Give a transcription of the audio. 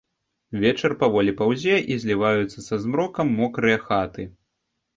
Вечар паволі паўзе, і зліваюцца са змрокам мокрыя хаты.